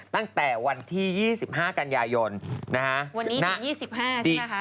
ตั้งแต่วันที่๒๕กันยายนวันนี้ถึง๒๕ใช่ไหมคะ